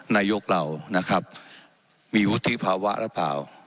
นายกเรานะครับมีวุฒิภาวะหรือเปล่า